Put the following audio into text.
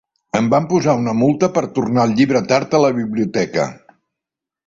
Em van posar una multa per tornar el llibre tard a la biblioteca.